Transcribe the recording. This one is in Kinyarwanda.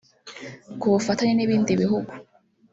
ku bufatanye n’ibindi bihugu